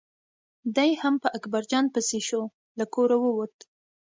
دی هم په اکبر جان پسې شو له کوره ووت.